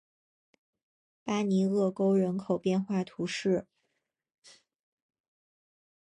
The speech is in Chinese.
巴尼厄沟人口变化图示